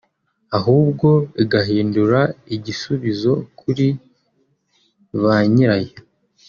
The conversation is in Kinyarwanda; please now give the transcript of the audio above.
ahubwo igahinduka igisubizo kuri banyirayo